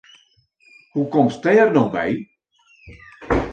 Hoe komst dêr no by?